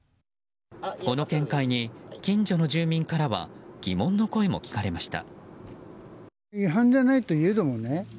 この見解に近所の住民からは疑問の声も聞かれました。